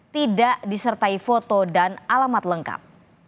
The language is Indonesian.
tidak disertai foto dan alamat lengkap